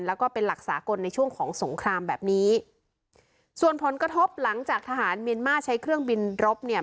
แล้วก็เป็นหลักสากลในช่วงของสงครามแบบนี้ส่วนผลกระทบหลังจากทหารเมียนมาร์ใช้เครื่องบินรบเนี่ย